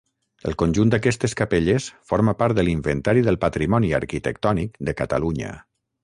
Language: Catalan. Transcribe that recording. El conjunt d'aquestes capelles forma part de l'Inventari del Patrimoni Arquitectònic de Catalunya.